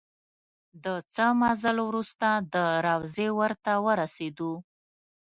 د څه مزل وروسته د روضې ور ته ورسېدو.